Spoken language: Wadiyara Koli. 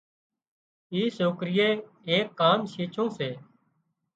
اي سوڪريئي ايڪ ڪام شيڇُون سي